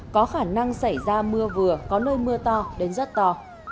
có khả năng xảy ra mưa vừa có nơi mưa to đến rất to